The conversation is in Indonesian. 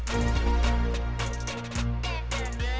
mahf tumstuknyarnya rootningenya